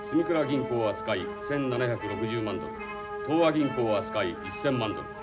銀行扱い１，７６０万ドル東和銀行扱い１，０００万ドル